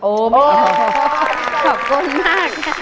โอ้ไม่ได้ขอบคุณมาก